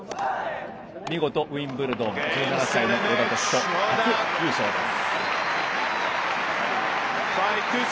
見事、ウィンブルドン１７歳の小田凱人初優勝です。